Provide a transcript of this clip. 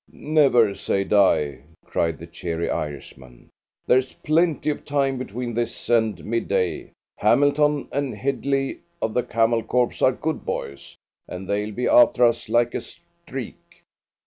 "Never say die!" cried the cheery Irishman. "There's plenty of time between this and mid day. Hamilton and Hedley of the Camel Corps are good boys, and they'll be after us like a streak.